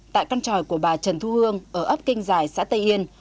tại căn tròi của bà trần thu hương ở ấp kinh dài xã tây yên